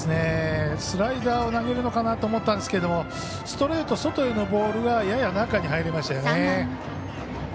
スライダーを投げるのかなと思ったんですがストレート、外へのボールがやや中へ入りましたよね。